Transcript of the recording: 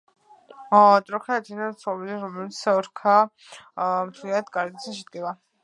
რტორქა ერთადერთი ცხოველია რომლის რქა მთლიანად კერატინისგან შედგება